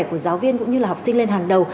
của giáo viên cũng như là học sinh lên hàng đầu